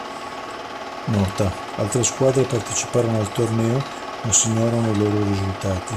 Nota: altre squadre parteciparono al torneo ma si ignorano i loro risultati.